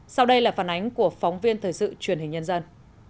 sau đây là phản ánh của phóng viên thời sự truyền hình nhân dân